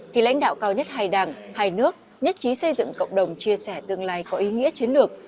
kỳ lãnh đạo cao nhất hai đảng hai nước nhất trí xây dựng cộng đồng chia sẻ tương lai có ý nghĩa chiến lược